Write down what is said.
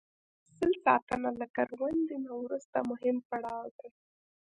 د حاصل ساتنه له کروندې نه وروسته مهم پړاو دی.